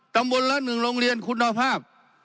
ตำบลละ๑โรงเรียนคุณภาพ